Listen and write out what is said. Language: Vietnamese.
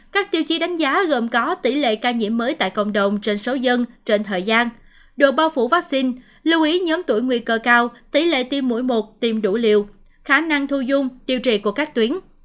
các tiêu chí đánh giá gồm có tỷ lệ ca nhiễm mới tại cộng đồng trên số dân trên thời gian độ bao phủ vaccine lưu ý nhóm tuổi nguy cơ cao tỷ lệ tiêm mũi một tiêm đủ liều khả năng thu dung điều trị của các tuyến